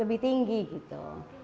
lebih tinggi gitu